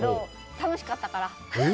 楽しかったから。